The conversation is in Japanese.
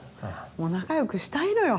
もう仲よくしたいのよ。